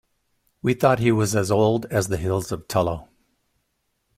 We thought he was as old as the Hills of Tullow.